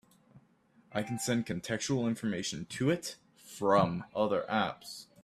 I can send contextual information to it from other apps.